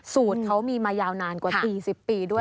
สูตรเขามีมายาวนานกว่า๔๐ปีด้วย